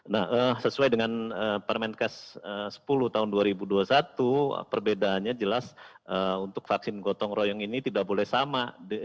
nah sesuai dengan permenkes sepuluh tahun dua ribu dua puluh satu perbedaannya jelas untuk vaksin gotong royong ini tidak boleh sama